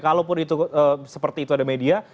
kalaupun itu seperti itu ada media